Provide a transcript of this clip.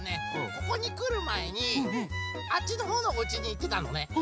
ここにくるまえにあっちのほうのおうちにいってたのね。